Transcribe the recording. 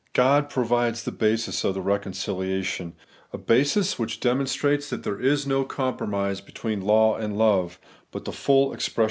6.) God provides the lasis of the reconciliation; a basis which demonstrates that there is no coto promise between law and love, but the full expres 6 The Eterlagting RighUausMSS.